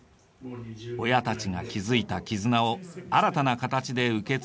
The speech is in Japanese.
親たちが築いた絆を新たな形で受け継ぎたい。